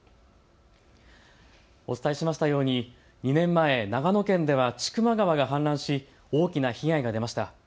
お伝えしましたように２年前、長野県では千曲川が氾濫し、大きな被害が出ました。